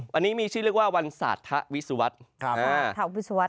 วันนี้มีชื่อเรียกว่าวันสาธาวิสุวรรษ